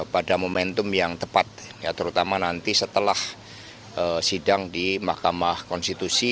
pada momentum yang tepat terutama nanti setelah sidang di mahkamah konstitusi